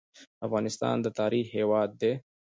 افغانستان د تاریخ هیواد دی